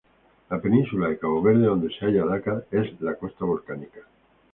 La península de Cabo Verde, donde se halla Dakar, es la costa volcánica.